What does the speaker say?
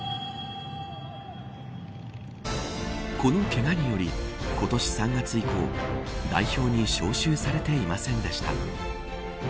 このけがにより今年３月以降代表に招集されていませんでした。